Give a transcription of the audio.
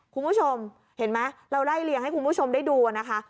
คุณผู้ชมเห็นไหมเราไล่เลี่ยงให้คุณผู้ชมได้ดูนะคะ